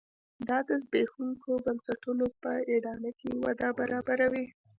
دا د زبېښونکو بنسټونو په اډانه کې وده برابروي.